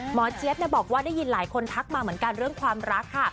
เจี๊ยบบอกว่าได้ยินหลายคนทักมาเหมือนกันเรื่องความรักค่ะ